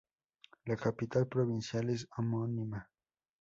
La capital provincial es homónima.